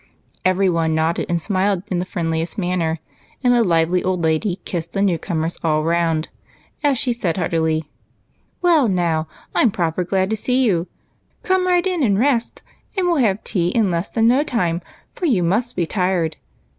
Every one nodded and smiled in the friendliest manner, and a lively old lady kissed the new comers all round, as she said heart iiy, "Well, now, I'm proper glad to see you! Come right in and rest, and we'll have tea in less than no time, for you must be tired.